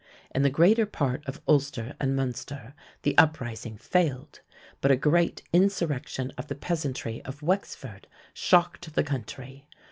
In the greater part of Ulster and Munster the uprising failed, but a great insurrection of the peasantry of Wexford shocked the country.